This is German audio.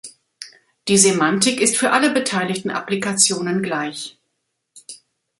Die Semantik ist für alle beteiligten Applikationen gleich.